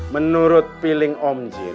menurut piling om jin